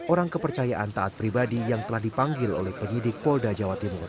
orang kepercayaan taat pribadi yang telah dipanggil oleh penyidik polda jawa timur